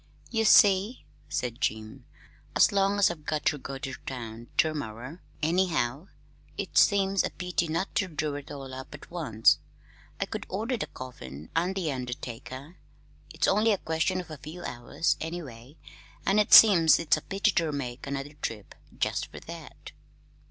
"You see," said Jim, "as long as I've got ter go ter town ter morrer, anyhow, it seems a pity not ter do it all up at once. I could order the coffin an' the undertaker it's only a question of a few hours, anyway, an' it seems such a pity ter make another trip jest fer that!"